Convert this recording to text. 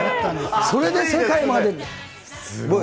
それで世界まで、すごい。